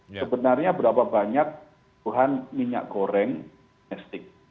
sebenarnya berapa banyak buahan minyak goreng domestik